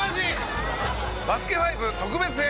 『バスケ☆ＦＩＶＥ』特別編。